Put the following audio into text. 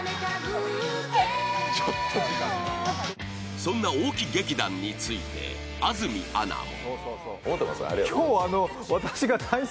そんな大木劇団について安住アナも。